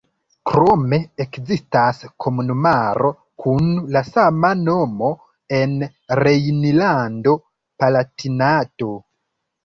Krome ekzistas komunumaro kun la sama nomo en Rejnlando-Palatinato.